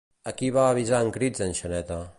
A qui va avisar en crits en Xaneta?